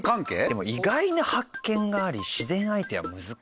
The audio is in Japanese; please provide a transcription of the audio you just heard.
でも「意外な発見があり自然相手は難しい」って。